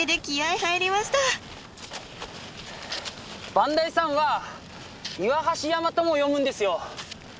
磐梯山は磐梯山とも読むんですよ。